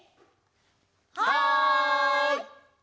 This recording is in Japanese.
はい！